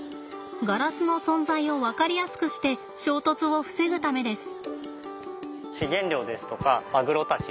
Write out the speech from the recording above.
ガラスの存在を分かりやすくして衝突を防ぐためです。